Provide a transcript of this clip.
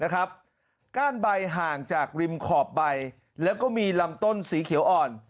ก้านใบห่างจากริมขอบใบแล้วก็มีลำต้นสีเขียวอ่อน